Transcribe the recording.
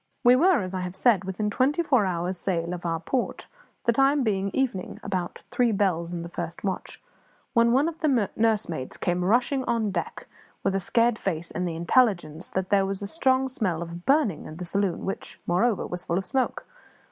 We were, as I have said, within twenty four hours' sail of our port, the time being evening, about three bells in the first watch, when one of the nursemaids came rushing on deck with a scared face and the intelligence that there was a strong smell of burning in the saloon, which, moreover, was full of smoke.